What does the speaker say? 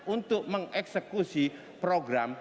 untuk mengeksekusi program